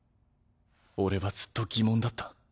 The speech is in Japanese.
俺はずっと疑問だった。